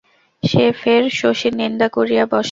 সে ফের শশীর নিন্দা করিয়া বসে।